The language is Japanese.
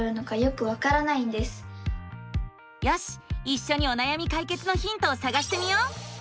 いっしょにおなやみ解決のヒントをさがしてみよう！